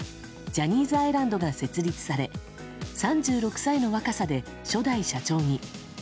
ジャニーズアイランドが設立され３６歳の若さで初代社長に。